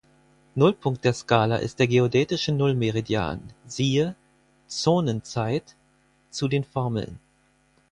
Nullpunkt der Skala ist der geodätische Nullmeridian, siehe "Zonenzeit" zu den Formeln.